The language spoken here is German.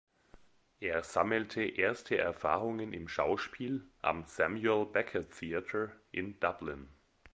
Er sammelte erste Erfahrungen im Schauspiel am "Samuel Beckett Theatre" in Dublin.